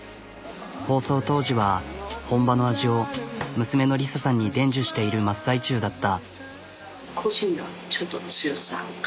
放送当時は本場の味を娘の理沙さんに伝授している真っ最中だった。